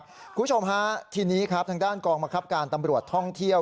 คุณผู้ชมที่นี้ทางด้านกองมาครับการตำรวจท่องเที่ยว